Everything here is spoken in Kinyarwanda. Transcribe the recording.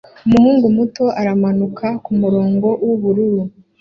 Umuhungu muto aramanuka kumurongo wubururu